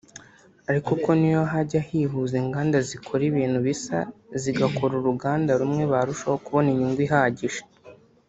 ariko ko n’iyo hajya hihuza inganda zikora ibintu bisa zigakora uruganda rumwe barushaho kubona inyungu ihagije